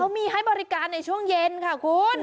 มีให้บริการในช่วงเย็นค่ะคุณ